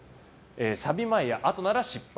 サビ前や、あとなら失敗。